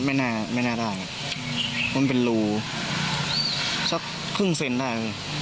ให้มันน่าไม่ได้แบบแล้วว่าเป็นรู้สักครึ่งเซ็นต์ได้